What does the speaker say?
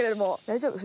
大丈夫？